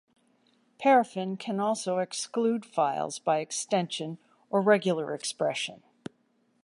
Paraffin can also exclude files by extension or regular expression.